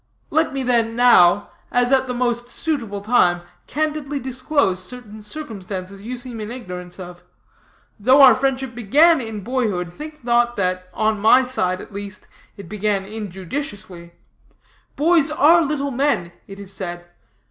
Let me, then, now, as at the most suitable time, candidly disclose certain circumstances you seem in ignorance of. Though our friendship began in boyhood, think not that, on my side at least, it began injudiciously. Boys are little men, it is said.